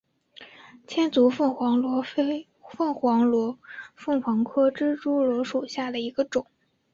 千足凤凰螺为凤凰螺科蜘蛛螺属下的一个种。